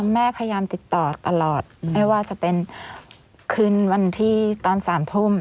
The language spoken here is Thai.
แม่พยายามติดต่อตลอดไม่ว่าจะเป็นคืนวันที่ตอน๓ทุ่ม